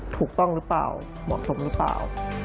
ถูกต้องหรือเปล่าเหมาะสมหรือเปล่า